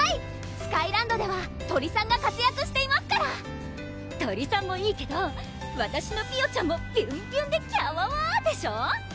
スカイランドでは鳥さんが活躍していますから鳥さんもいいけどわたしのピヨちゃんもビュンビュンできゃわわでしょ？